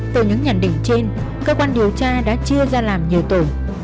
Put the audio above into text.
từ những nhận định trên cơ quan điều tra đã chia ra làm nhiều tổ